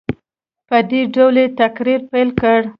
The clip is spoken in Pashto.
په دې ډول یې تقریر پیل کړ.